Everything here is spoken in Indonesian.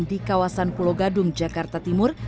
di kawasan pulau gadung jakarta timur